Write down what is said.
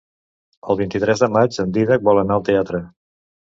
El vint-i-tres de maig en Dídac vol anar al teatre.